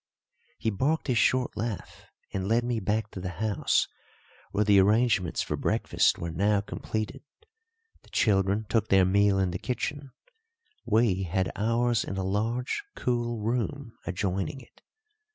He barked his short laugh and led me back to the house, where the arrangements for breakfast were now completed. The children took their meal in the kitchen, we had ours in a large, cool room adjoining it.